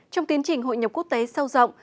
trong tiến trình hội nhập quốc tế sâu rộng